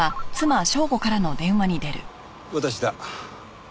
私だ。